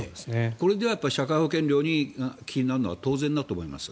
これでは社会保険料が気になるのは当然だと思います。